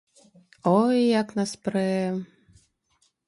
Ой, як нас прэ!